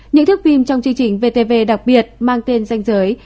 những thức phim trong chương trình vtv đặc biệt mang tên danh giới